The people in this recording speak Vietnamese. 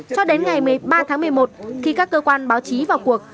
cho đến ngày một mươi ba tháng một mươi một khi các cơ quan báo chí vào cuộc